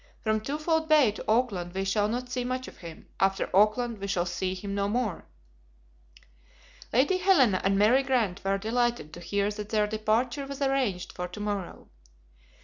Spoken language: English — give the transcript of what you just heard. From Twofold Bay to Auckland we shall not see much of him; after Auckland we shall see him no more." Lady Helena and Mary Grant were delighted to hear that their departure was arranged for to morrow.